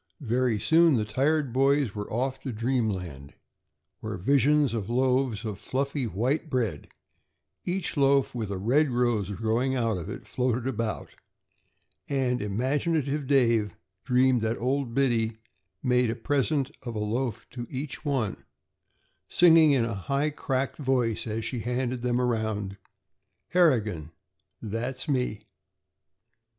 Very soon the tired boys were off to dreamland, where visions of loaves of fluffy white bread, each loaf with a red rose growing out of it, floated about, and imaginative Dave dreamed that old Biddy made a "prisint" of a loaf to each one, singing in a high cracked voice as she handed them around: "Harrigan! That's me!"